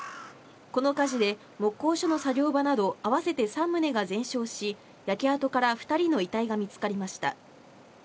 この火事で木工所の作業場など合わせて３棟が全焼し、焼け跡から２人の遺体が見つかりました。